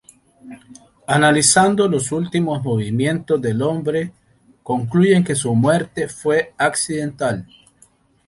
Analizando los últimos movimientos del hombre, concluyen que su muerte fue accidental.